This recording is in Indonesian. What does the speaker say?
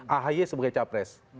ahi sebagai capres